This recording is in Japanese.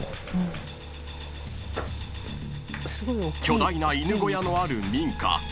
［巨大な犬小屋のある民家］